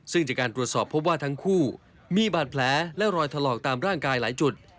ซึ่งจากการตรวจสอบพบว่าทั้งคู่มีบาดแผลและรอยถลอกตามร่างกายหลายจุด